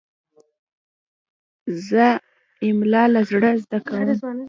زه املا له زړه زده کوم.